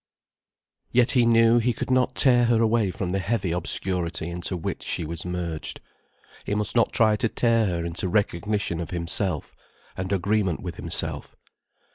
Yet he knew he could not tear her away from the heavy obscurity into which she was merged. He must not try to tear her into recognition of himself, and agreement with himself.